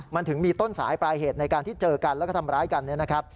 มันถึงมีต้นสายปลายเหตุในการที่เจอกันแล้วก็ทำร้ายกันเนี่ยนะครับ